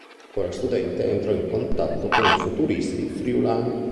Ancora studente, entrò in contatto con i futuristi friulani.